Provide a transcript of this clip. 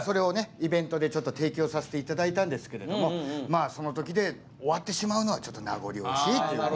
イベントでちょっと提供させていただいたんですけれどもその時で終わってしまうのはちょっと名残惜しいということで。